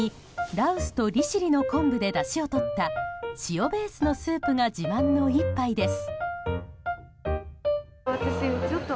羅臼と利尻の昆布でだしをとった塩ベースにスープが自慢の一杯です。